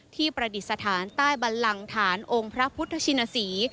ประดิษฐานใต้บันลังฐานองค์พระพุทธชินศรี